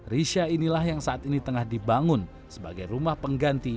risa inilah yang saat ini tengah dibangun sebagai rumah pengganti